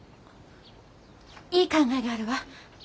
いい考えがあるわ。